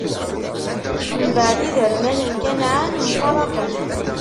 Mbeɛd, iderman n Kanɛan mfaṛaqen.